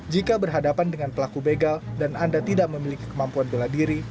jika berhadapan dengan pelaku begal dan anda tidak memiliki kemampuan bela diri